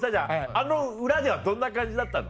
あの裏ではどんな感じだったの？